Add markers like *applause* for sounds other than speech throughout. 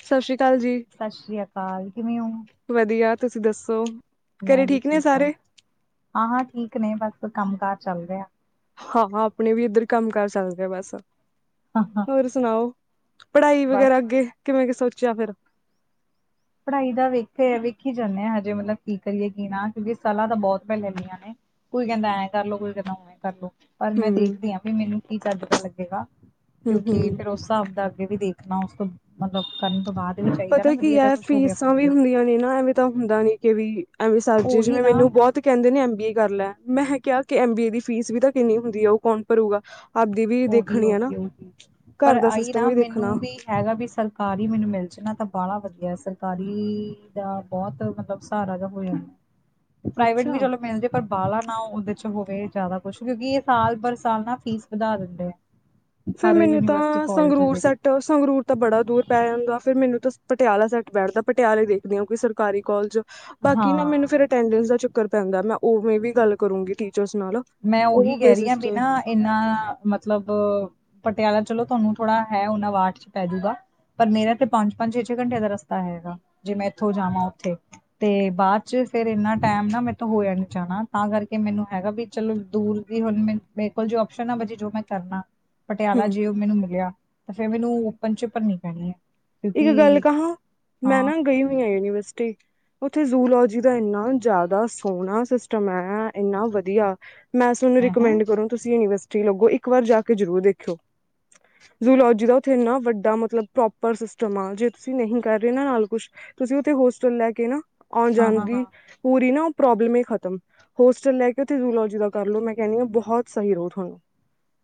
ਸਤਿ ਸ੍ਰੀ ਅਕਾਲ ਜੀ ਸਤਿ ਸ੍ਰੀ ਅਕਾਲ ਕਿਵੇਂ ਹੋ? ਵਧੀਆ ਤੁਸੀਂ ਦੱਸੋ। ਘਰੇ ਮੈਂ ਵੀ ਨੇ ਠੀਕ ਹਾਂ ਸਾਰੇ ਹਾਂ ਹਾਂ ਠੀਕ ਨੇ ਬਸ ਕੰਮ ਕਾਰਜ ਚੱਲ ਰਿਹਾ। ਹਾਂ ਆਪਣੇ ਵੀ ਇੱਧਰ ਕੰਮ ਕਾਰ ਚੱਲ ਰਿਹਾ ਬਸ ਹਾਂ ਹਾਂ ਹੋਰ ਸੁਣਾਓ? ਪੜ੍ਹਾਈ ਬਸ ਵਗੈਰਾ ਅੱਗੇ ਕਿਵੇਂ ਕਿ ਸੋਚਿਆ ਫਿਰ? ਪੜ੍ਹਾਈ ਦਾ ਵੇਖ ਵੇਖੀ ਜਾਂਦੇ ਹਾਂ ਹਜੇ ਮਤਲਬ ਕੀ ਕਰੀਏ ਕੀ ਨਾ ਕਰੀਏ ਸਾਲਹਾਂ ਤਾਂ ਬਹੁਤ ਪਹਿਲੇ ਲਈਈਆਂ ਨੇ। ਕੋਈ ਕਹਿੰਦਾ ਐਂ ਕਰਲ ਲੋ ਕੋਈ ਕਹਿੰਦਾ ਉਵੇਂ ਕਰ ਲਓ। ਪਰ ਮੈਂ ਹਮ ਦੇਖਦੀ ਹਾਂ ਵੀ ਮੈਨੂੰ ਕੀ ਚੱਜ ਦਾ ਲੱਗੇਗਾ ਹਮ ਕਿਉਂਕਿ ਹਮ ਫੇਰ ਉਸ ਹਿਸਾਬ ਦਾ ਅੱਗੇ ਵੀ ਦੇਖ। ਣਾ ਉਸ ਤੋਂ ਮਤਲਬ ਕਰਨ ਤੋਂ ਬਾਅਦ ਵੀ ਚਾਹੀਦਾ ਨਾ ਵਧੀਆ ਜਿਹਾ ਕੁਛ, ਹੋਵੇ ਸੱਸਾਂ ਆਪਣੇ ਵੀ ਕੋਲ ਹੁੰਦੀਆਂ ਨੇ ਨਾ ਐਵੇਂ ਤਾਂ ਹੁੰਦਾ ਨੀ ਕਿ ਵੀ ਐਵੇ ਸਰ ਜ ਉਹੀ ਜਿਵੇਂ ਨਾ ਮੈਨੂੰ ਬਹੁਤ ਕਹਿੰਦੇ ਨੇ ਐਮ ਬੀ ਏ ਕਰ ਲੈ। ਮੈਂ ਕਿਹਾ ਕਿਹਾ ਕਿ ਐਮ ਬੀ ਏ ਦੀ ਫੀਸ ਵੀ ਤਾਂ ਕਿੰਨੀ ਹੁੰਦੀ ਆ ਉਹ ਕੌਣ ਭਰੂਗਾ। ਆਪਦੀ ਵੀ ਓਹੀ ਦੇਖਣੀ ਹੈ ਨਾ ਓਹੀ ਓਹੀ ਪਰ ਘਰ ਦਾ ਆਈ ਸਿਸਟਮ ਨਾ ਵੀ ਦੇਖਣਾ ਮੈਨੂੰ ਵੀ ਹੈਗਾ ਵੀ ਸਰਕਾਰ ਹੀ ਮੈਨੂੰ ਮਿਲਦੀ ਚਨਾਂ ਤਾਂ ਬਾਹਾ ਵਧੀਆ ਸਰਕਾਰੀ ਦਾ ਬਹੁਤ ਮਤਲਬ ਸਹਾਰਾ ਦਾ ਹੋ ਜਾਂਦਾ ਪ੍ਰਾਈਵੇਟ ਵੀ ਅੱਛਾ ਚਲੋ ਮਿਲਦੇ ਪਰ ਬਾਹਲਾ ਨਾ ਉਹਦੇ ਚ ਹੋਵੇ ਜ਼ਿਆਦਾ ਕੁਛ ਕਿਉਂਕਿ ਇਹ ਸਾਲ ਪਰ ਸਾਲ ਨਾ ਫੀਸ ਵਧਾ ਦਿੰਦੇ ਆ। ਫਿਰ ਹਰ ਮੈਨੂੰ ਯੂਨੀਵਰਸਿਟੀ ਤਾਂ ਕਾਲਜ ਆ ਸੰਗਰੂਰ ਜਿਹੜੀ ਸੈੱਟ ਸੰਗਰੂਰ ਤਾਂ ਬੜਾ ਦੂਰ ਪੈ ਜਾਂਦਾ ਫਿਰ ਮੈਨੂੰ ਤਾਂ ਪਟਿਆਲਾ ਸੈਟ ਬੈਠਦਾ ਪਟਿਆਲੇ ਦੇਖਦੇ ਆ ਕੋਈ ਸਰਕਾਰੀ ਕੋਲਜ ਬਾਕੀ ਨਾ ਹਾਂ ਮੈਨੂੰ ਫਿਰ ਅਟੈਂਡਸ ਦਾ ਚੱਕਰ ਪੈਂਦਾ ਮੈਂ ਉਵੇਂ ਵੀ ਗੱਲ ਕਰੂੰਗੀ ਠੀਕ ਮੈਂ ਉਹੀ ਕਹਿ ਰਹੀ ਹਾਂ ਬਿਨਾਂ ਇੰਨਾ ਮਤਲਬ ਪਟਿਆਲਾ ਚਲੋ ਤੁਹਾਨੂੰ ਥੋੜਾ ਹੈ ਉਹਨਾਂ ਵਾਟ ਚ ਪੈਜੂਗਾ। ਪਰ ਮੇਰਾ ਤੇ ਪੰਜ ਪੰਜ ਛੇ ਛੇ ਘੰਟੇ ਦਾ ਰਸਤਾ ਹੈਗਾ ਜੇ ਮੈਂ ਇੱਥੋਂ ਜਾਵਾਂ ਉੱਥੇ ਤੇ ਬਾਅਦ 'ਚ, ਫੇਰ ਇਨਾਂ ਟਾਈਮ ਨਾ ਮੇਰੇ ਤੋਂ ਹੋਇਆ ਨੀ ਜਾਣਾ ਤਾਂ ਕਰਕੇ ਮੈਨੂੰ ਹੈਗਾ ਵੀ, ਚਲੋ ਦੂਰ ਦੀ ਹੁਣ ਮੈਂ ਮੇਰੇ ਕੋਲ ਜੋ ਓਪਸ਼ਨ ਆ ਜੋ ਮੈਂ ਕਰਨਾ। ਪਟਿਆਲਾ ਹਮ ਜੇ ਉਹ ਮੈਨੂੰ ਮਿਲਿਆ ਤੇ ਫੇਰ ਮੈਨੂੰ ਓਪਨ 'ਚ ਭਰਨੀ ਪੈਣੀ ਹੈ। ਇੱਕ ਗੱਲ ਕਿਉਂਕਿ ਕਹਾਂ, ਹਾਂ ਮੈਂ ਨਾ ਗਈ ਹੋਈ ਹਾਂ ਯੂਨੀਵਰਸਿਟੀ ਉੱਥੇ ਯੂਲੋਜੀ ਦਾ ਇੰਨਾ ਜ਼ਿਆਦਾ ਸੋਹਣਾ ਸਿਸਟਮ ਹੈ ਇੰਨਾ ਵਧੀਆ। ਮੈਂ ਸੋਨੂੰ ਹੈ ਹੈ ਰੁਕਮੈਡ ਕਰੋ, ਤੁਸੀ ਯੂਨੀਰਸਿਟੀ ਲਗੋ ਇੱਕ ਵਾਰ ਜਾ ਕੇ ਜਰੂਰ ਦੇਖੇਊ। ਯੂਲੋਜੀ ਦਾ ਉੱਥੇ ਇੰਨਾ ਵੱਡਾ ਮਤਲਬ ਪ੍ਰੋਪਰ ਸਿਸਟਮ ਆ ਜੇ ਤੁਸੀਂ ਨਹੀਂ ਕਰ ਰਹੇ ਨਾ ਨਾਲ ਕੁਛ ਤੁਸੀਂ ਉੱਥੇ ਹੋਸਟਲ ਲੈ ਕੇ ਨਾ। ਆ ਹਾਂ ਹਾਂ ਜਾਂਦੀ ਹਾਂ ਪੂਰੀ ਨਾ। ਪ੍ਰੋਬਲਮ ਹੀ ਖਤਮ ਹੋਸਟਲ ਲੈ ਕੇ ਉੱਥੇ ਯੂਲੋਜੀ ਦਾ ਕਰਲੋ ਮੈਂ ਕਹਿੰਦੀ ਹਾਂ ਬਹੁਤ ਸਹੀ ਰਹੁ ਤੁਹਾਨੂੰ।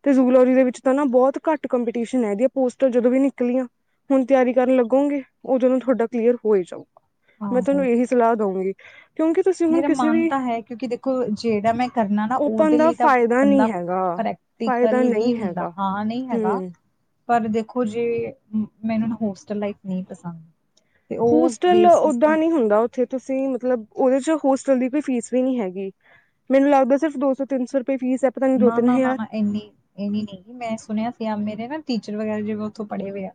ਤੇ ਯੂਲੋਜੀ ਦੇ ਵਿਚ ਤਾਂ ਨਾ ਬਹੁਤ ਘੱਟ ਕੰਪੀਟੀਸ਼ਨ ਆ ਇਹਦੀਆਂ ਪੋਸਟਾਂ ਜਦੋ ਵੀ ਨਿਕਲੀਆਂ। ਹੁਣ ਤਿਆਰੀ ਕਰਨ ਲੱਗੋਂਗੇ, ਉਹਦੋਂ ਨੂੰ ਤੁਹਾਡਾ ਕਲੀਅਰ ਹੋ ਹੀ ਜਾਊਗਾ, ਮੈਂ ਤੁਹਾਨੂੰ ਆਹੋ ਇਹੀ ਸਲਾਹ ਦਊਂਗੀ। ਕਿਉਂਕਿ ਤੁਸੀਂ ਹੁਣ ਮੇਰਾ ਕਿਸੇ ਮਨ ਵੀ ਤਾਂ ਹੈ, ਕਿਉਂਕਿ ਦੇਖੋ ਜਿਹੜਾ ਮੈਂ ਕਰਨਾ ਨਾ ਓਪਨ ਉਹਦੇ ਦਾ ਲਈ ਤਾਂ ਫਾਇਦਾ ਬੰਦਾ, ਨਹੀਂ ਹੈਗਾ ਪ੍ਰੈਕਟੀਕਲ ਫਾਇਦਾ ਵੀ ਨਹੀਂ ਹੁੰਦਾ ਹੈਗਾ ਹਾਂ ਨਹੀਂ ਹੈਗਾ। ਹਮ ਪਰ ਦੇਖੋ ਜੇ ਮੈਨੂੰ ਹੋਸਟਲ ਲਾਈਫ ਨਹੀਂ ਪਸੰਦ। ਤੇ ਉਹ ਹੋਸਟਲ ਬੇਸਿਸ ਤੇ ਓਦਾਂ ਨੀ ਹੁੰਦਾ ਉੱਥੇ ਤੁਸੀਂ ਮਤਲਬ, ਉਹਦੇ 'ਚ ਹੋਸਟਲ ਦੀ ਕੋਈ ਫੀਸ ਵੀ ਨਹੀਂ ਹੈਗੀ, ਮੈਨੂੰ ਲੱਗਦਾ ਸਿਰਫ ਦੋ ਸੌ ਤਿੰਨ ਸੌ ਰੁਪਏ ਫੀਸ ਹੈ ਪਤਾ ਨੀ ਦੋ ਨਾ ਤਿੰਨ ਨਾ ਨਾ ਹਜ਼ਾਰ ਨਾ ਇੰਨੀ ਇੰਨੀ ਨੀ ਮੈਂ ਸੁਣਿਆ ਸੀ ਮੇਰੇ ਨਾ, ਟੀਚਰ ਵਗੈਰਾ ਜਿਵੇਂ ਉੱਥੋਂ ਪੜ੍ਹੇ ਹੋਏ ਆ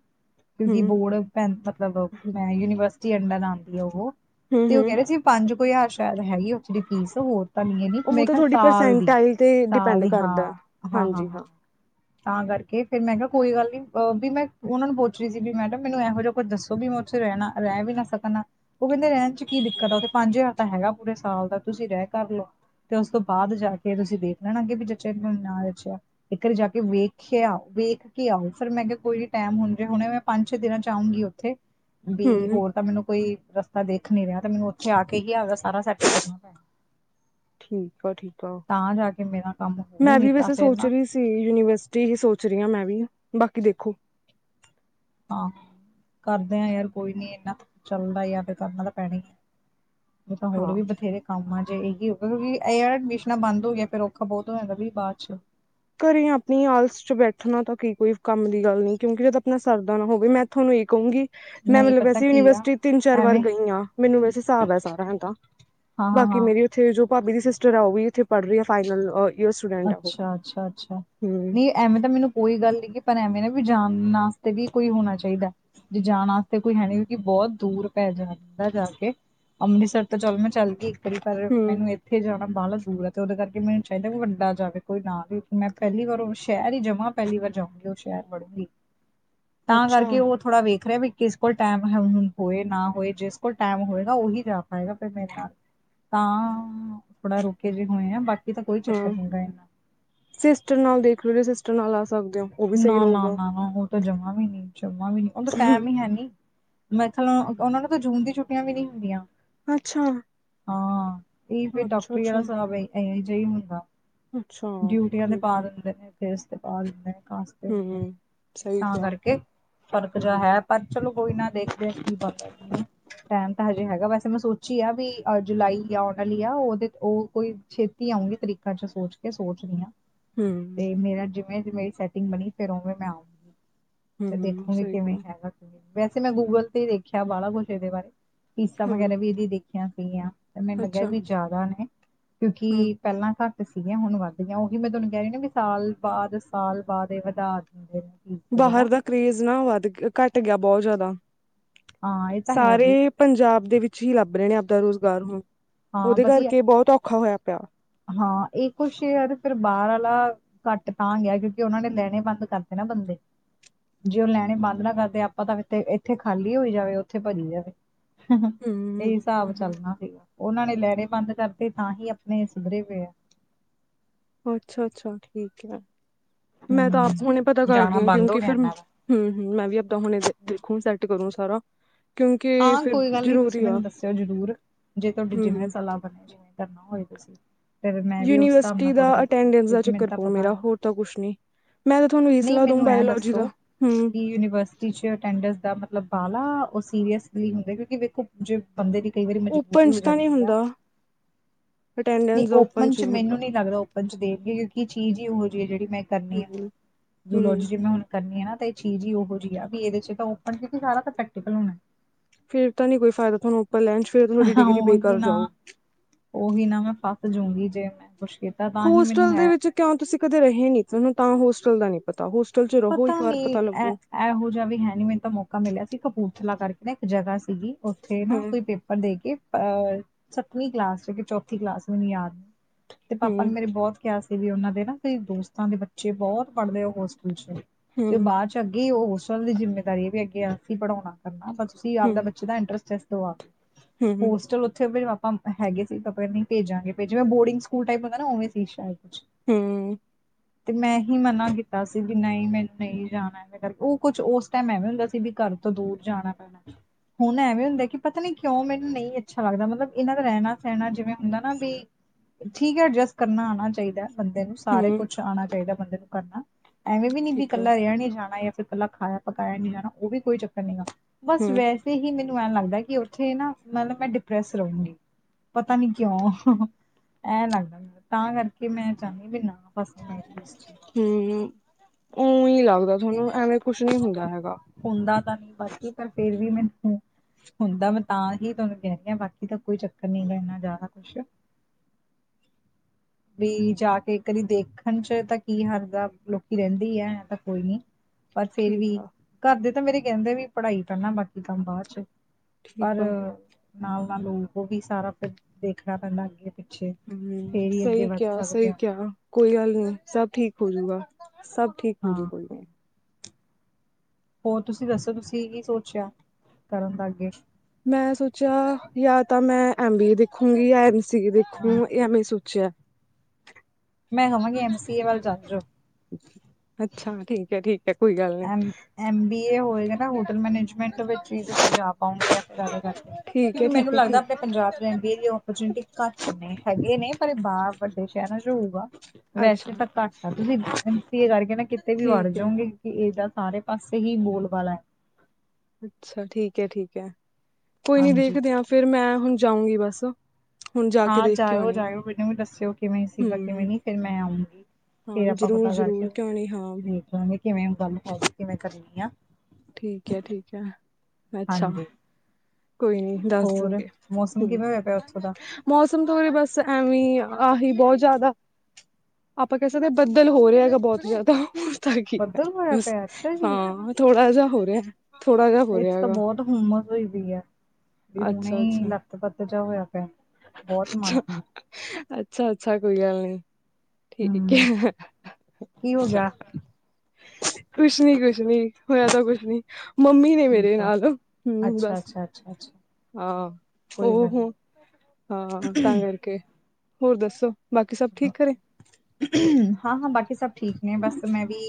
ਹੂੰ ਕਿਉਂਕਿ ਬੋਰਡ ਪ ਮਤਲਬ ਮੈਂ ਯੂਨੀਵਰਸਿਟੀ ਜਿ ਅੰਡਰ ਆਉਂਦੀ ਹੈ ਉਹ, ਹੂੰ ਤੇ ਉਹ ਕਹਿ ਹੂੰ ਰਹੇ ਸੀ ਪੰਜ ਕੁ ਹਜ਼ਾਰ ਸ਼ਾਇਦ ਹੈਗੀ ਆ ਉੱਥੇ ਦੀ ਫੀਸ ਹੋਰ ਤਾਂ ਨਹੀਂ ਐਨੀ ਉਹ ਮੈਂ ਤਾਂ ਕਿਹਾ ਤੁਹਾਡੀ ਸਾਲ ਦੀ ਪਰਸੈਂਟਾਈਲ ਤੇ ਸਾਲ ਡਿਪੈਂਡ ਦੀ ਹਾਂ ਕਰਦਾ ਹਾਂ ਹਾਂ ਹਾਂਜੀ ਹਾਂ। ਤਾਂ ਕਰਕੇ ਫੇਰ ਮੈਂ ਕਿਹਾ ਕੋਈ ਗੱਲ ਨੀ ਅਹ ਵੀ ਮੈਂ ਉਹਨਾਂ ਨੂੰ ਪੁੱਛ ਰਹੀ ਸੀ, ਵੀ ਮੈਡਮ ਮੈਨੂੰ ਇਹੋ ਜਿਹਾ ਕੁੱਝ ਦੱਸੋ ਵੀ ਮੈਂ ਉੱਥੇ ਰਹਿਣਾ ਰਹਿ ਵੀ ਨਾ ਸਕਣਾ ਉਹ ਕਹਿੰਦੇ ਰਹਿਣ 'ਚ ਕੀ ਦਿੱਕਤ ਆ ਉੱਥੇ ਪੰਜ ਹਜ਼ਾਰ ਤਾਂ ਹੈਗਾ ਪੂਰੇ ਸਾਲ ਦਾ ਤੁਸੀਂ ਇਹ ਕਰ ਲਓ ਤੇ ਉਸ ਤੋਂ ਬਾਅਦ ਜਾ ਕੇ ਤੁਸੀਂ ਦੇਖ ਲੈਣਾ ਅੱਗੇ ਵੀ ਜਚਿਆ ਮੈਨੂੰ ਨਾ ਜਚਿਆ ਤੇ ਘਰੇ ਜਾ ਕੇ। ਕਿ ਵੇਖਿਆ ਆਓ ਵੇਖ ਕੇ ਆਓ, ਫਿਰ ਮੈਂ ਕਿਹਾ ਕੋਈ ਟਾਈਮ ਹੁਣ ਜੇ ਹੁਣੇ ਮੈਂ ਪੰਜ ਛੇ ਦਿਨਾਂ 'ਚ ਆਊਂਗੀ ਉੱਥੇ। ਵੀ ਹੂੰ ਹੋਰ ਤਾਂ ਮੈਨੂੰ ਕੋਈ ਰਸਤਾ ਤਾ ਦੇਖ ਨੀ ਰਿਹਾ ਤੇ ਮੈਨੂੰ ਉੱਥੇ ਆ ਕੇ ਹੀ ਆਪਦਾ ਸਾਰਾ ਸੈਟ ਕਰਨਾ ਪੈਣਾ ਠੀਕ ਆ ਠੀਕ ਆ ਤਾਂ ਜਾ ਕੇ ਮੇਰਾ ਕੰਮ ਹੋਊ ਮੈਂ ਨੀ ਵੀ ਤਾਂ ਵੈਸੇ ਫਿਰ ਸੋਚ ਨਾ ਰਹੀ ਸੀ, ਯੂਨੀਵਰਸਿਟੀ, ਯੂਨੀਵਰਸਿਟੀ ਹੀ ਸੋਚ ਰਹੀ ਹਾਂ, ਮੈਂ ਵੀ ਬਾਕੀ ਦੇਖੋ। ਆਹ। ਕਰਦੇ ਹਾਂ ਯਾਰ ਕੋਈ ਨੀ ਇਨਾਂ ਚੱਲਦਾ ਆ ਫੇਰ ਕਰਨਾ ਤਾਂ ਪੈਣਾ ਹੀ ਹੈ। ਨਹੀਂ ਤਾਂ ਹੋਰ ਹਾਂ ਵੀ ਬਥੇਰੇ ਕੰਮ ਜੇ ਇਹ। ਕਿਉਂਕਿ ਇਹ ਐਡਮਿਸ਼ਨਾਂ ਬੰਦ ਹੋ ਗਿਆ, ਫਿਰ ਔਖਾ ਬਹੁਤ ਹੋ ਜਾਂਦਾ ਵੀ ਬਾਅਦ 'ਚ। ਘਰੇ ਆਪਣੀ ਆਲਸ ਚ ਬੈਠਣਾ ਤਾਂ ਕੀ ਕੋਈ ਕੰਮ ਦੀ ਗੱਲ ਨਹੀਂ ਕਿਉਂਕਿ ਜਦੋਂ ਆਪਣਾ ਸਰਦਾ ਨਾ ਹੋਵੇ ਮੈਂ ਤੁਹਾਨੂੰ ਇਹ ਕਹੂੰਗੀ। ਮੈਂ ਨਹੀਂ ਮਤਲਬ ਪਤਾ ਵੈਸੇ ਕੀ ਆ ਯੂਨੀਵਰਸਿਟੀ ਤਿੰਨ ਚਾਰ ਵਾਰ ਐਵੇਂ ਗਈ ਆ, ਮੈਨੂੰ ਵੈਸੇ ਹਿਸਾਬ ਸਾਰਾ ਆਏ ਤਾ। ਹਾਂ ਹਾਂ ਬਾਕੀ ਹਾਂ ਮੇਰੀ ਉੱਥੇ ਜੋ ਭਾਬੀ ਦੀ ਸਿਸਟਰ ਆ ਉਹ ਵੀ ਇਥੇ ਪੜ੍ਹ ਰਹੀ ਆ ਫਾਈਨਲਰ ਅਹ ਈਅਰ ਦੀ ਸਟੂਡੈਂਟ ਆ ਉਹ। ਅੱਛਾ, ਅੱਛਾ, ਅੱਛਾ ਹੂੰ ਨਹੀਂ ਐਵੇਂ ਤਾਂ ਮੈਨੂੰ ਕੋਈ ਗੱਲ ਨੀ ਪਰ ਐਵੇਂ ਨਾ ਵੀ। ਜਾਣ ਵਾਸਤੇ ਵੀ ਕੋਈ ਹੋਣਾ ਚਾਹੀਦਾ ਜੇ ਜਾਣ ਵਾਸਤੇ ਕੋਈ ਹੈ ਨਹੀਂ ਕਿਉਕਿ ਬਹੁਤ ਦੂਰ ਪੈ ਜਾਂਦਾ ਹੈ। ਥੋੜਾ ਜਾ ਕੇ ਅੰਮ੍ਰਿਤਸਰ ਤਾਂ ਚਲ ਮੈਂ ਚੱਲ ਗਈ। ਤੇ ਪਰ ਹੂੰ ਮੈਨੂੰ ਇੱਥੇ ਜਾਣਾ ਬਾਹਲਾ ਦੂਰ ਆ ਤੇ ਉਹਦੇ ਕਰਕੇ ਮੈਨੂੰ ਚਾਹੀਦਾ ਬੰਦਾ ਜਾਵੇ ਕੋਈ ਨਾ ਵੀ ਮੈਂ ਪਹਿਲੀ ਵਾਰ ਉਹ ਸ਼ਹਿਰ ਹੀ ਜਮਾਂ ਪਹਿਲੀ ਵਾਰ ਜਾਊਂਗੀ ਉਹ ਸ਼ਹਿਰ ਵੜੂਗੀ। ਤਾਂ ਅੱਛਾ ਕਰਕੇ ਉਹ ਥੋੜ੍ਹਾ ਵੇਖ ਰਿਹਾ ਵੀ ਕਿਸ ਕੋਲ ਟਾਈਮ ਹੋਏ ਨਾ ਹੋਏ ਜਿਸ ਕੋਲ ਟਾਈਮ ਹੋਏਗਾ। ਉਹੀ ਜਾ ਪਾਏਗਾ ਫੇਰ ਮੇਰੇ ਨਾਲ। ਤਾਂ ਥੋੜਾ ਰੁਕੇ ਜਿਹੇ ਹੋਏ ਆ ਬਾਕੀ ਤਾਂ ਕੋਈ? ਚੱਕਰ ਹੂੰ ਨੀ ਗਾ ਇੰਨਾ। ਸਿਸਟਰ ਨਾਲ ਦੇਖ ਲੋ ਜੇ ਸਿਸਟਰ ਨਾਲ। ਆ ਸਕਦੇ ਹੋ ਉਹ ਵੀ ਸਹੀ ਨਾ ਨਾ ਰਹੂੰਗਾ। ਨਾ ਨਾ ਉਹ ਤਾਂ ਜਮਾਂ ਵੀ ਨਹੀਂ ਜਮਾਂ ਵੀ ਨਹੀਂ ਉਹਦਾ ਟਾਈਮ ਹੀ ਹੈ ਨਹੀ। ਮੈਥਲ ਉਹਨਾ ਨੂੰ ਤਾਂ ਜੂਨ ਦੀ ਛੁੱਟੀਆਂ ਵੀ ਨਹੀਂ ਹੁੰਦੀਆਂ ਹੈ। ਅੱਛਾ ਹਾਂ ਇ ਫੇਰ ਅੱਛਾ ਡਾਕਟਰੀ ਅੱਛਾ ਵਾਲਾ ਇਹੋ ਜਿਹੀ ਹੁੰਦਾ। ਅੱਛਾ ਡਿਊਟੀਆਂ ਤੇ ਠੀਕ ਪਾ ਹੈ ਦਿੰਦੇ ਨੇ, ਕੇਸ ਤੇ ਪਾ ਦਿੰਦੇ ਨੇ, ਹੂੰ ਸਹੀ ਤਾਂ ਕਿਹਾ ਕਰਕੇ ਫ਼ਰਕ ਹੂੰ ਜ ਹੈ ਪਰ ਚਲੋ- ਕੋਈ ਨਾ ਦੇਖਦੇ ਕੀ ਬਣਦਾ ਟਾਈਮ ਤਾਂ ਹਜੇ ਹੈਗਾ ਵੈਸੇ ਮੈਂ ਸੋਚੀ ਆ ਵੀ ਅ ਜੁਲਾਈ ਆ ਆਉਣ ਵਾਲੀ ਆ ਉਹਦੇ ਉਹ ਕੋਈ ਛੇਤੀ- ਤਰੀਕ ਚ ਸੋਚ ਕੇ ਸੋਚਦੀ ਹਾਂ। ਹਮ ਤੇ ਮੇਰਾ ਜਿਵੇਂ ਮੇਰੀ ਸੈਟਿੰਗ ਬਣੀ ਫੇਰ ਉਵੇਂ ਮੈਂ ਆਊਂਗੀ ਤੇ ਹੂੰ ਦੇਖੋਗੀ ਸਹੀ ਕਿਵੇਂ ਕਿਹਾ ਹੈਗਾ। ਵੈਸੇ ਮੈਂ ਗੂਗਲ ਤੇ ਦੇਖਿਆ ਬਾਹਾ ਕੁਛ ਇਹਦੇ ਬਾਰੇ ਫੀਸਾਂ ਹਾਂ ਵਗੈਰਾ ਵੀ ਇਹਦੀ ਦੇਖੀਆਂ ਸੀਗੀਆਂ। ਤੇ ਮੈਨੂੰ ਲੱਗਿਆ ਅੱਛਾ ਵੀ ਜ਼ਿਆਦਾ ਨੇ ਕਿਉਂਕਿ ਹੂੰ ਪਹਿਲਾਂ ਤਾ- ਹੁਣ ਵੱਧ ਗਈਆਂ ਉਹੀ ਮੈਂ ਤੁਹਾਨੂੰ ਕਹਿ ਰਹੀ ਵੀ ਸਾਲ ਬਾਅਦ ਸਾਲ ਬਾਅਦ ਇਹ ਵਧਾ ਦਿੰਦੇ ਨੇ- ਫੀਸ ਵਗੈਰਾ ਬਾਹਰ ਦਾ ਕਰੇਜ਼ ਨਾ ਵੱਧ ਘੱਟ ਗਿਆ ਬਹੁਤ ਜ਼ਿਆਦਾ। ਹਾਂ ਇਹ ਤਾਂ ਹੈ ਬਈ ਸਾਰੇ ਪੰਜਾਬ ਦੇ ਵਿੱਚ- ਹੀ ਲੱਭ ਰਹੇ ਨੇ ਆਪਦਾ ਰੁਜ਼ਗਾਰ ਹੁਣ ਹਾਂ ਉਹਦੇ ਵਧੀਆ ਕਰਕੇ ਬਹੁਤ ਔਖਾ ਹੋਇਆ ਪਿਆ। ਹਾਂ ਇਹ ਕੁਛ ਯਾਰ ਫਿਰ ਬਾਹਰ ਆ ਘੱਟ ਤਾਂ ਗਿਆ ਕਿਉਂਕਿ ਉਹਨਾਂ ਨੇ ਲੈਣੇ ਬੰਦ ਕਰਤੇ ਨਾ ਬੰਦੇ। ਜੇ ਉਹ ਲੈਣੇ ਬੰਦ ਨਾ ਕਰਦੇ ਆਪਾਂ ਤਾਂ ਇੱਥੇ ਖਾਲੀ ਹੋਈ ਜਾਵੇ ਉੱਥੇ ਭੱਜੀ ਜਾਵੇ। ਹੂੰ ਇਹੀ ਹਿਸਾਬ ਹੂੰ ਚੱਲਣਾ ਸੀਗਾ ਉਹਨਾਂ ਨੇ ਲਹਿਰੇ ਬੰਦ ਕਰਦੇ ਤਾਂ ਹੀ ਆਪਣੇ- ਸਧਰੇ ਪਏ ਆ। ਅੱਛਾ-ਅੱਛਾ ਠੀਕ ਹੈ। ਮੈਂ ਹੂੰ ਤਾਂ ਆਪ ਹੁਣੇ ਪਤਾ ਕਰਦੀ ਜਾਣਾ ਹਾਂ ਬੰਦ ਹੋ ਕਿਉਂਕਿ ਗਿਆ ਫਿਰ ਹਮ ਇਹਨਾਂ ਦਾ ਹਮ ਮੈਂ ਵੀ ਆਪਾਂ ਹੁਣੇ ਦੇਖੂੰ ਸੈਟ। ਕਰੂੰ ਸਾਰਾ। ਕਿਉਂਕਿ ਹਾਂ ਫਿਰ ਕੋਈ ਗੱਲ ਨੀ ਤੁਸੀਂ ਜ਼ਰੂਰੀ ਆ ਮੈਨੂੰ ਦੱਸਿਓ ਜਰੂਰ ਜੇ ਤੁਹਾਡੀ ਜਿਵੇਂ ਹੂੰ-ਹੂੰ ਸਲਾਹ ਬਣੇ ਜਿਵੇਂ ਕਰਨਾ ਹੋਏ ਤੁਸੀਂ- ਫਿਰ ਮੈਂ ਵੀ ਉਸ ਹਿਸਾਬ ਯੂਨੀਵਰਸਿਟੀ ਨਾਲ ਥੋੜ੍ਹਾ ਦਾ ਦੇਖ ਲਾਂ ਅਟੈਂਡੈਂਸ ਦਾ ਕਿਉਂਕਿ ਮੈਨੂੰ ਚੱਕਰ ਤਾਂ ਪਊ ਪਤਾ ਮੇਰਾ ਨੀ। ਹੋਰ ਤਾਂ ਕੁਛ ਨੀ ਮੈਂ ਤਾਂ ਤੁਹਾਨੂੰ ਇਹੀ ਨਹੀਂ ਸਲਾਹ ਦਊ ਮੈਨੂੰ ਐ ਬਾਇਓਲੋਜੀ ਦਾ ਦੱਸੋ ਹੂੰ ਕਿ ਯੂਨੀਵਰਸਿਟੀ ਚ ਅਟੇਂਦੇਂਸ ਦਾ ਮਤਲਬ - ਉਹ ਸੀਰੀਅਸ ਹੁੰਦੇ ਕਿਉਂਕਿ ਵੇਖੋ ਜੇ- ਬੰਦੇ ਦੀ ਕਈ ਵਾਰੀ ਮਜਬੂਰੀ ਓਪਨ ਹੋ ਚ ਤਾਂ ਨੀ ਜਾਂਦੀ ਆ। ਹੁੰਦਾ ਨਹੀਂ ਅਟੈਂਡੈਂਸ ਦਾ ਓਪਨ ਚ ਨੀ ਹੁੰਦਾ ਮੈਨੂੰ ਨਹੀਂ ਲੱਗਦਾ ਓਪਨ ਚ ਦੇਖ। ਕਿਉਂਕਿ ਚੀਜ਼ ਹੀ ਇਹੋ ਜਿਹੀ ਹੈ, ਜਿਹੜੀ ਮੈਂ ਆ ਹੁਣ ਹੂੰ-ਹੂੰ ਜੂਲੋਜੀ ਮੈਂ ਹੁਣ ਕਰਨੀ ਆ ਨਾ। ਚੀਜ਼ ਹੀ ਉਹੋ ਜਿਹੀ ਆ ਵੀ ਇਹਦੇ ਚ ਤਾਂ ਓਪਨ ਸੀ ਸਾਰਾ ਤਾਂ ਪ੍ਰੈਕਟੀਕਲ ਹੋਣਾ। ਫੇਰ ਤਾਂ ਨਹੀਂ ਕੋਈ ਫਾਇਦਾ ਤੁਹਾਨੂੰ ਉੱਪਰ ਲੈਣ ਚ ਫਿਰ ਤੁਹਾਡੀ ਡਿਗਰੀ ਉਹੀ ਬੇਕਾਰ ਨਾ ਜਾਊ। ਉਹੀ ਨਾ ਮੈਂ ਫਸ ਜਾਊਗੀ ਜੇ ਮੈਂ- ਕੁਛ ਕੀਤਾ ਤਾਂ ਹੀ ਮੈਨੂੰ ਹੋਸਟਲ ਦੇ ਹੈ। ਵਿੱਚ ਕਿਉਂ ਤੁਸੀਂ ਕਦੇ ਰਹੇ ਨੀ ਤਾਂ ਹੋਸਟਲ ਦਾ ਨੀ ਪਤਾ ਹੋਸਟ- ਪਤਾ ਨੀ ਇਹ ਇਹੋ ਜਿਹਾ ਵੀ ਹੈ ਨੀ ਮੈਨੂੰ ਤਾਂ ਮੌਕਾ ਮਿਲਿਆ ਸੀ ਕਪੂਰਥਲਾ ਕਰਕੇ ਨਾ ਇੱਕ ਜਗ੍ਹਾ- ਸੀਗੀ ਉੱਥੇ ਨਾ ਕੋਈ ਪੇਪਰ ਦੇ ਕੇ- ਅਹ ਸੱਤਵੀਂ ਕਲਾਸ ਚ ਕਿ ਚੌਥੀ ਕਲਾਸ ਮੈਨੂੰ ਯਾਦ ਤੇ ਪਾਪਾ ਹੂੰ-ਹੂੰ ਨੇ ਮੇਰੇ ਬਹੁਤ ਕਿਹਾ- ਵੀ ਉਹਨਾਂ ਦੇ ਨਾਈ ਦੋਸਤਾਂ ਦੇ ਬੱਚੇ ਬਹੁਤ ਪੜ੍ਹਦੇ ਆ ਹੋਸਟਲ ਚ ਤੇ ਉਹ ਬਾਅਦ ਚ ਅੱਗੇ ਉਹ- ਦੀ ਜਿੰਮੇਦਾਰੀ ਹੈ ਵੀ ਅੱਗੇ ਅਸੀਂ ਪੜਾਉਣਾ ਕਰਨਾ ਤਾਂ ਤੁਸੀਂ ਆਪਦਾ ਬੱਚੇ ਦਾ ਇੰਟਰਸਟ- ਹੂੰ-ਹੂੰ-ਹੂੰ-ਹੂੰ-ਹੂੰ ਹੋਸਟਲ ਉੱਥੇ । ਆਪਾਂ ਹੈਗੇ ਸੀ ਤਾਂ ਆਪਾਂ ਭੇਜਾਂਗੇੇੇ ਬੋਰਡਿੰਗ ਸਕੂਲ ਟਾਈਪ ਹੁੰਦਾ ਨਾ ਉਵੇ ਸੀ ਸ਼ਾਇਦ ਕੁਝ। ਹਮ। ਤੇ ਮੈਂ ਹੀ ਮਨਾ ਕੀਤਾ ਸੀ। ਵੀ ਨਹੀਂ ਮੈਨੂੰ ਨਹੀਂ ਜਾਣਾ ਮ ਉਹ ਕੁਝ ਉਸ ਟਾਈਮ ਐਵੇਂ ਹੁੰਦਾ ਸੀ ਕਿ ਘਰ ਤੋਂ ਦੂਰ ਜਾਣਾ ਪੈਣਾ। ਹੁਣ ਐਵੇਂ ਹੁੰਦਾ ਕਿ ਪਤਾ ਨੀ ਕਿਉਂ ਮੈਨੂੰ ਨਹੀਂ ਅੱਛਾ ਲੱਗਦਾ। ਮਤਲਬ ਇਹਨਾਂ ਦਾ ਰਹਿਣਾ ਸਹਿਣਾ ਜਿਵੇਂ ਹੁੰਦਾ ਨਾ ਵੀ । ਠੀਕ ਹੈ । ਐਡਜਸਟ ਕਰਨਾ ਆਉਣਾ ਚਾਹੀਦਾ। ਬੰਦੇ ਨੂੰ ਸਾਰੇ ਕੁੱਝ ਆਉਣਾ ਚਾਹੀਦਾ । ਬੰਦੇ ਨੂੰ ਕਰਨਾ ਐਵੇਂ ਵੀ ਨੀ ਵੀ ਠੀਕ ਆ ਇਕੱਲਾ ਰਿਹਾ ਨੀ ਜਾਣਾ। ਇਕੱਲਾ ਖਾਇਆ ਪਕਾਇਆ ਨਹੀਂ ਜਾਣਾ। ਉਹ ਵੀ ਕੋਈ ਚੱਕਰ ਨਹੀਂ ਹੈਗਾ। ਬਸ ਹੂੰ-ਹੂੰ ਵੈਸੇ ਹੀ ਮੈਨੂੰ । ਮੈਨੂੰ ਐ ਲੱਗਦਾ ਕਿ ਉੱਥੇ ਨਾ ਮਤਲਬ ਮੈਂ ਡਿਪਰੈਸ ਰਹੂੰਗੀ । ਪਤਾ ਨੀ ਕਿਉਂ ਐ ਲੱਗਦਾ ਤਾਂ ਕਰਕੇ ਮੈਂ ਚਾਹੁੰਦੀ ਵੀ ਨਾ। *inaudible* ਉ ਹੀ ਲੱਗਦਾ ਤੁਹਾਨੂੰ ਐਵੇਂ ਕੁਝ ਨਹੀ ਹੁੰਦਾ ਹੈਗਾ । ਪਤਾਂ ਨੀ ਬਾਕੀ ਪਰ ਫੇਰ ਵੀ ਮੈਨੂੰ । ਹੁੰਦਾ । ਮੈਂ ਤਾਂ ਹੀ ਤੁਹਾਨੂੰ ਕਹਿਣੀ ਹਾਂ ਬਾਕੀ ਤਾਂ ਕੋਈ ਚੱਕਰ ਨਹੀ ਲੈਨਾ ਜ਼ਿਆਦਾ ਕੁਝ। *inaudible* ਵੀ ਜਾ ਕੇ ਕਦੀ ਦੇਖਣ ਚ ਤਾਂ ਕੀ ਹਰਜ਼ ਐ। ਲੋਕੀ ਰਹਿੰਦੇ ਹੀ ਹੈ ਐ ਤਾਂ ਕੋਈ ਨੀ । ਪਰ ਫੇਰ ਠੀਕ ਵੀ ਆ ਘਰ ਦੇ ਤਾਂ ਮੇਰੇ ਕਹਿੰਦੇ ਵੀ ਪੜ੍ਹਾਈ ਕਰਨਾ ਬਾਕੀ ਕੰਮ ਬਾਅਦ ਚ । ਪਰ ਠੀਕ ਆ ਨਾਲ ਨਾਲ ਉਹ ਵੀ ਸਾਰਾ ਫਿਰ ਦੇਖਣਾ ਪੈਂਦਾ ਅੱਗੇ । ਹਮ ਸਹੀ ਕਿਹਾ ਸਹੀ ਹਾਂ ਕਿਹਾ ਕੋਈ ਗੱਲ ਨਹੀਂ ਸਭ ਠੀਕ ਹੋਜੂਗਾ । ਸਭ ਠੀਕ ਹੋਜੂ ਹਾਂ ਕੋਈ ਨੀ । ਹੋਰ ਤੁਸੀਂ ਦੱਸੋ ਤੁਸੀਂ ਕੀ ਸੋਚਿਆ ਕਰਨ ਦਾ ਅੱਗੇ? ਮੈਂ ਸੋਚਿਆ ਯ ਤਾਂ ਮੈਂ ਐਮ ਬੀ ਏ ਦੇਖੂੰਗੀ ਐਮ ਸੀ ਏ ਹਾਂ, ਦੇਖੂੰਗੀ ਮ । *inaudible* ਮੈਂ ਕਵਾਂਗੀ ਐਮ ਸੀ ਏ ਵੱਲ ਚੱਲ ਜੋ। ਅੱਛਾ ਠੀਕ ਹੈ ਠੀਕ । ਐਮ ਬੀ ਏ ਹੋਏਗਾ ਨਾ ਹੋਟਲ ਮੈਨੇਜਮੈਂਟ ਵਿੱਚ ਹੀ ਤੁਸੀਂ ਜਾ ਪਾਉਗੇ । ਕਰ ਠੀਕ ਕਿਉਂਕਿ ਹੈ ਮੈਨੂੰ ਠੀਕ ਹੈ ਲੱਗਦਾ ਠੀਕ ਆਪਣੇ ਪੰਜਾਬ ਚ ਐਮ ਬੀ ਏ ਦੀ ਉਪਰਚਨਿਟੀ ਘੱਟ ਨੇ । ਹੈਗੇ ਨੇ ਪਰ ਇਹ ਬਾਹਰ ਵੱਡੇ ਸ਼ਹਿਰਾਂ ਚ ਹੋਊਗਾ । ਅੱਛਾ ਵੈਸੇ ਤਾਂ ਘੱਟ ਆ । ਤੁਸੀਂ ਐਮ ਸੀ ਏ ਕਰਕੇ ਨਾ ਕਿਤੇ ਵੀ ਵੜ ਠੀਕ ਹੈ ਜਾਓਗੇ । ਦਾ ਸਾਰੇ ਪਾਸੇ ਹੀ ਬੋਲ ਵਾਲਾ ਹੈ । ਅੱਛਾ ਠੀਕ ਹੈ। ਠੀਕ ਹੈ ਕੋਈ ਨੀ ਹਾਂਜੀ। ਦੇਖਦੇ ਆਂ ਫੇਰ ਮੈਂ ਹੁਣ ਜਾਊਂਗੀ ਬਸ । ਹਾਂ ਜਾਇਓ ਜਾਇਓ । ਮੈਨੂੰ ਵੀ ਦੱਸਿਓ ਕਿਵੇਂ ਸੀਗਾ ਕਿਵੇਂ ਹੂੰ ਨ। ਫਿਰ ਮੈਂ ਆਊਂਗੀ । ਫਿਰ ਹਾਂ ਆਪਾਂ ਜ਼ਰੂਰ ਪਤਾ ਜ਼ਰੂਰ ਕਰਕੇ ਕਿਉਂ ਨਹੀਂ ਹਾਂ ਦੇਖ ਲਾਂਗੇ ਕਿਵੇਂ ਗੱਲ ਕਰ ਕਿਵੇਂ ਕਰਨੀ ਆ । ਠੀਕ ਹੈ । ਠੀਕ ਹੈ। ਅੱਛਾ । ਹਾਂਜੀ ਕੋਈ ਨੀ ਦੱਸ ਹੋਰ ਦਓਗੇ ਹ ਮੌਸਮ ਕਿਵੇਂ ਹੋਇਆ ਪਿਆ ਉੱਥੋਂ ਦਾ? ਮੌਸਮ ਤੋਂ ਉੇਰੇ ਬਸ ਐਵੇਂ ਹੀ ਆ । ਆਹੀ ਬਹੁਤ ਜਿਆਦਾ ਆਪਾਂ ਕਹਿ ਸਕਦੇ ਹਾਂ ਬੱਦਲ ਹੋ ਰਿਹਾ ਹੈਗਾ ਬਹੁਤ ਜਿਆਦਾ । ਤਾਂ ਕੀ ਹੈ ਬੱਦਲ ਹੋਇਆ ਬ ਪਿਆ ਅੱਛਾ ਜੀ ਹਾਂ ਥੋੜਾ ਜਿਹਾ ਹੋ ਰਿਹਾ । ਇੱਥੇ ਤਾਂ ਬਹੁਤ ਹੁੰਮਸ ਹੋਈ ਵੀ । ਵੀ ਅੱਛਾ ਹੁਣੇ ਅੱਛਾ ਲੱਤ ਵੱਤ ਜਿਹਾ ਹੋਇਆ ਪਿਆ । ਅੱਛਾ ਅੱਛਾ ਅੱਛਾ ਕੋਈ ਗੱਲ ਨੀ । ਠੀਕ ਹੂੰ ਹੈ ਕੀ ਹੋ ਅੱਛਾ ਗਿਆ । *unintelligible* ਕੁਝ ਨੀ ਕੁਝ ਨੀ ਹੋਇਆ ਤਾਂ ਕੁਝ ਨੀ ਮੰਮੀ ਨੇ ਮੇਰੇ ਠੀਕ ਆ। ਨਾਲ । ਹਮ ਅੱਛਾ ਬਸ । ਅੱਛਾ ਅੱਛਾ ਅੱਛਾ ਹਾਂ ਕੋਈ ਉਹ ਗੱਲ ਹ ਨੀ। ਹਾਂ ਤਾਂ ਕਰਕੇ ਹੋਰ ਦੱਸੋ । ਹਾਂ ਹਾਂ ਬਾਕੀ ਸਭ । ਠੀਕ ਨੇ ਬਸ ਮੈਂ ਵੀ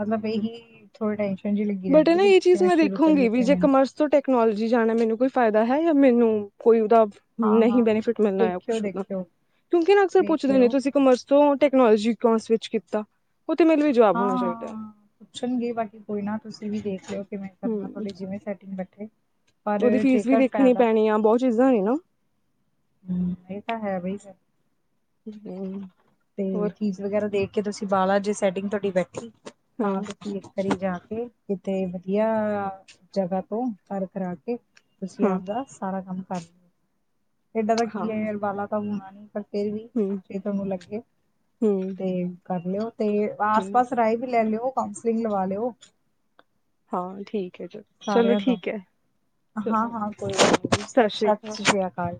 ਮਤਲਬ ਇਹੀ ਥੋੜਾ । ਬਟ ਇਹ ਚੀਜ਼ ਨਾ ਮੈਂ ਦੇਖੂਗੀ ਵੀ ਜੇ ਕਿਵੇਂ ਕਾਮਰਸ ਤੋਂ ਟੈਕਨਾਲੋਜੀ ਜਾਣਾ ਮੈਨੂੰ । ਕੋਈ ਫਾਇਦਾ ਹੈ ਜਾਂ ਮੈਨੂੰ ਕੋਈ ਉਹਦਾ । ਹਾਂ-ਹਾਂ ਨਹੀਂ ਬੈਨੀਫਿਟ ਮਿਲਣਾ ਆ ਕੁੱਝ ਉਹਦਾ ਦੇਖਿਓ-ਦੇਖਿਓ ਕਿਉਂਕਿ ਨਾ ਅਕਸਰ ਵੇਖ ਪੁੱਛਦੇ ਨੇ ਲਿਓ ਤੁਸੀਂ ਕਾਮਰਸ ਤੋਂ? ਟੈਕਨਾਲੋਜੀ ਅਕਾਉਟਸ ਵਿੱਚ ਕੀਤਾ । ਹਾਂ ਪੁੱਛਣਗੇ ਬਾਕੀ ਕੋਈ ਨਾ ਤੁਸੀਂ ਵੀ ਦੇਖ ਲਿਓ ਕਿਵੇਂ ਕਰਨਾ ਹਮ ਤੁਹਾਡੀ ਜਿਵੇਂ ਸੈਟਿੰਗ ਬੈਠੇ ਪਰ ਉਹਦੀ ਫੀਸ ਵੀ ਜੇਕਰ ਦੇਖਣੀ ਫਾਇਦਾ ਪੈਣੀ ਆ ਬਹੁਤ ਚੀਜ਼ਾਂ ਨੇ ਨਾ ਹਮ ਇਹ ਤਾਂ ਹੈ ਬਈ ਹਮ, ਤੇ ਹੋਰ ਫੀਸ ਵਗੈਰਾ ਦੇਖ ਕੇ ਤੁਸੀਂ ਬਾਹਾ ਜੇ ਸੈਟਿੰਗ ਤੁਹਾਡੀ ਬੈਠੀ ਤਾਂ ਹਾਂ ਫੇਰ ਕਰਰੀ ਜਾ ਕੇ ਕਿਤੇ ਵਧੀਆ ਜਗ੍ਹਾ ਤੋਂ ਘ ਕਰਾ ਕੇ ਤੁਸੀਂ ਹਾਂ ਆਪਦਾ ਸਾਰਾ ਕੰਮ ਕਰ ਏਦਾਂ ਦਾ ਕੀ ਹਾਂ ਅੰਬਾਲਾ ਫੇਰ ਵੀ ਹਮ ਫੇ ਤੁਹਾਨੂੰ ਲੱਗੇ ਹਮ ਤੇ ਕਰ ਲਿਓ ਤੇ ਆਸ ਹਮ ਪਾਸ ਰਾਏ ਵੀ ਲੈ ਲਿਓ ਕਾਂਸਲਿੰਗ ਲਵਾ ਲਿਓ ਹਾਂ ਠੀਕ ਹੈ ਚਲ ਚਲੋ ਸਾਰਿਆਂ ਤੋਂ ਠੀਕ ਹੈ ਹਾਂ ਚਲੋ ਹਾਂ ਕੋਈ ਗੱਲ ਨੀ ਜੀ ਸ਼੍ਰੀ ਅਕਾਲ ਸਤਿ ਸ੍ਰੀ ਅਕਾਲ